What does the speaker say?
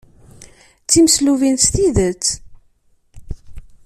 D timeslubin s tidet.